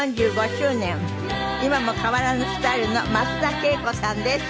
今も変わらぬスタイルの増田惠子さんです。